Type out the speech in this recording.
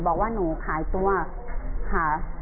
บอกว่าหนูขายตัวค่ะ